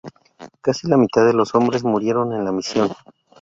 Casi la mitad de los hombres murieron en la misión.